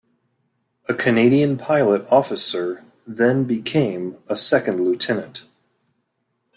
A Canadian pilot officer then became a second lieutenant.